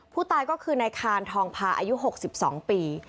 ผู้ตายก็คือนายคานทองพาอายุ๖๒ปี